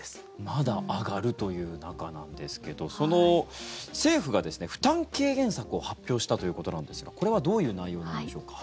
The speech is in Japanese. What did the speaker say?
まだ上がるという中なんですけど政府が負担軽減策を発表したということなんですがこれはどういう内容なんでしょうか。